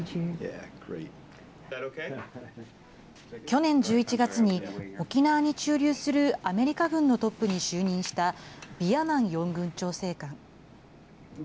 去年１１月に沖縄に駐留するアメリカ軍のトップに就任したビアマン四軍調整官。